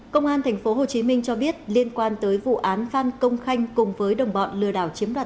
công an tp hcm cho biết liên quan tới vụ án phan công khanh cùng với đồng bọn lừa đảo chiếm đoạt